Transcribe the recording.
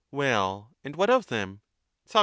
Well, and what of them? Soc.